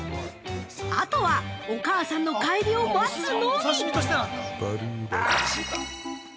あとはお母さんの帰りを待つのみ。